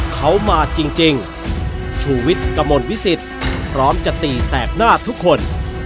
เขามาจริงชูวิทย์กระมวลวิสิตพร้อมจะตีแสกหน้าทุกคน